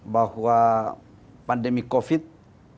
bahwa pandemi covid baru berakhir untuk ppkm indonesia